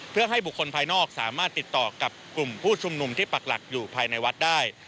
เพื่อให้บุคคลภายนอกสามารถติดต่อกับกลุ่มผู้ชุมนุมที่ปักหลักอยู่ภายในวัดได้